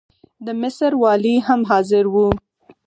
د مصر والي هم حاضر وو.